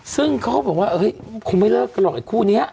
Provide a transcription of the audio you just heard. ซึ่งเขาบอกว่าเฮ้ยคงไม่เลิกกันหน่อยคู่เนี้ย